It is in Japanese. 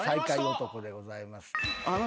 男でございます。